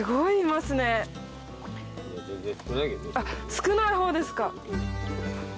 少ない方ですか。